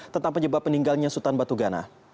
tentang penyebab peninggalnya sultan batu gana